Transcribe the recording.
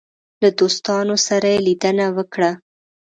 له دوستانو سره یې لیدنه وکړه.